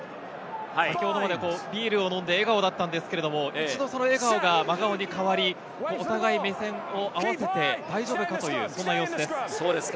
先ほどまでビールを飲んで笑顔だったんですが、その笑顔が変わり、お互いに目線を合わせて大丈夫か？という、そんな様子です。